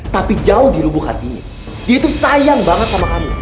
tapi jauh di lubuk hatinya dia itu sayang banget sama kamu